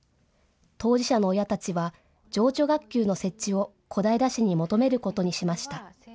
当事者の親たちは情緒学級の設置を小平市に求めることにしました。